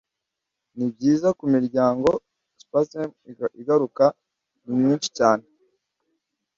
Nibyiza kumiryango Spamster Ingaruka ni nyinshi cyane